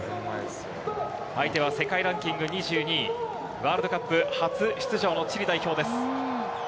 相手は世界ランキング２２位、ワールドカップ初出場のチリ代表です。